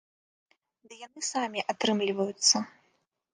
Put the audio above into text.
Ды яны самі атрымліваюцца.